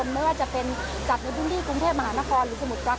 อันนี้ต่างหากและการที่ฉันเองก็รู้สึกดีใจ